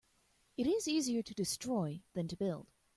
It is easier to destroy than to build.